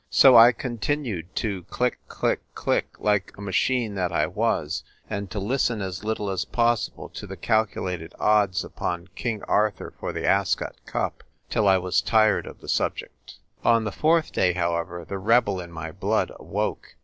So I continued to click, click, click, like a machine that I was, and to listen as little as possible to the calcu lated odds upon King Arthur for the Ascot Cup, till I was tired of the subject. On the fourth day, however, the rebel in my blood awoke.